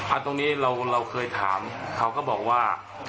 อันนี้ตรงนี้เราเคยถามเขาก็บอกว่า